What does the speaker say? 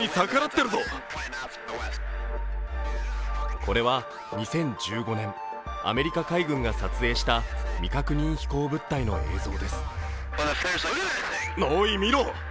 これは２０１５年、アメリカ海軍が撮影した未確認飛行物体の映像です。